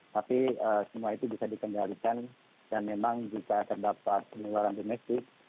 tapi semua itu bisa dikendalikan dan memang jika terdapat penularan domestik